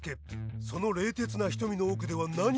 その冷徹な瞳の奥では何を思うのか。